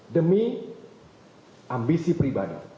demi ambisi pribadi